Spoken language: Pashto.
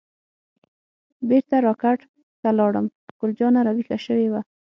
بیرته را کټ ته لاړم، ګل جانه راویښه شوې وه.